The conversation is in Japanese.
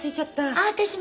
あ私も。